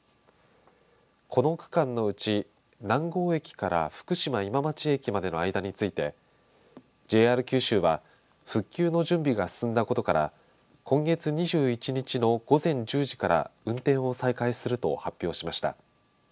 この区間のうち南郷駅から福島今町駅までの間についてＪＲ九州は復旧の準備が進んだことから今月２１日の午前１０時から運転を再開すると発表しました。